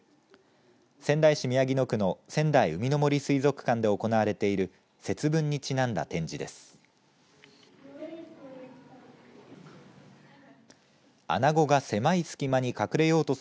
仙台市宮城野区の仙台うみの杜水族館で行われている節分にちなんだ展示です。